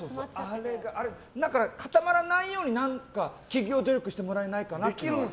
あれ、固まらないように企業努力してもらえないかなと。